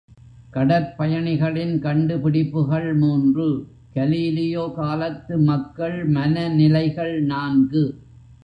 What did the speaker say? கடற் பயணிகளின் கண்டுபிடிப்புகள் மூன்று கலீலியோ காலத்து மக்கள் மனநிலைகள் நான்கு.